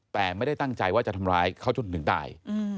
แต่ไม่ได้ตั้งใจว่าจะทำร้ายเขาจนถึงตาย